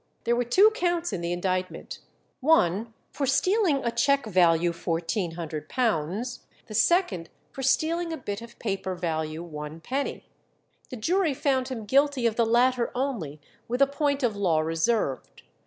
There were two counts in the indictment: one for stealing a cheque value £1400, the second for stealing a bit of paper value one penny. The jury found him guilty of the latter only, with a point of law reserved.